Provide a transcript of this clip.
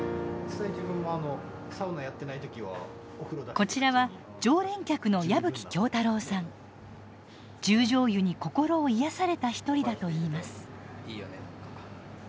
こちらは十條湯に心を癒やされた一人だといいます。